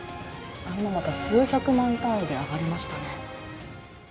数百万単位で上がりましたね。